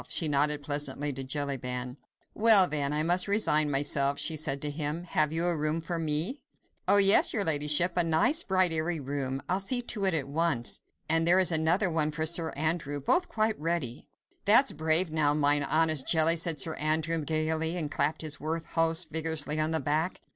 She nodded pleasantly to Jellyband. "Well, then, I must resign myself," she said to him. "Have you a room for me?" "Oh, yes, your ladyship. A nice, bright, airy room. I'll see to it at once. ... And there is another one for Sir Andrew—both quite ready." "That's brave now, mine honest Jelly," said Sir Andrew, gaily, and clapping his worthy host vigorously on the back.